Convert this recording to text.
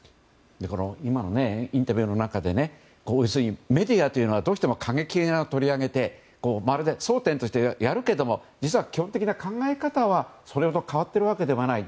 今のインタビューの中でメディアというのはどうしても過激派を取り上げて争点としてやるけれども実は基本的な考え方はそれほど変わっているわけではない。